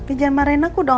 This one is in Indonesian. biar jangan marahin aku dong